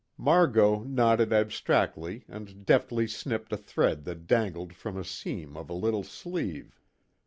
Margot nodded abstractedly and deftly snipped a thread that dangled from a seam of a little sleeve.